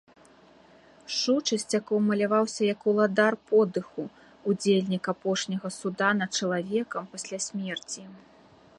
Шу часцяком маляваўся як уладар подыху, удзельнік апошняга суда над чалавекам пасля смерці.